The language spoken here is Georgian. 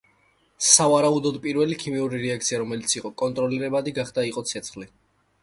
სავარაუდოდ, პირველი ქიმიური რეაქცია, რომელიც კონტროლირებადი გახდა, იყო ცეცხლი.